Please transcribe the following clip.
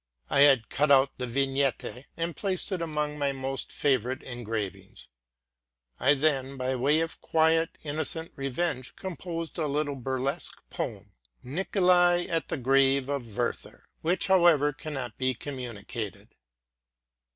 I had cut out the vignette, and placed it among my most favorite engravings. I then, by way of quiet, innocent revenge, composed a little burlesque poem, '* Nicolai at the Grave of Werther,'' which, however, cannot be communicated.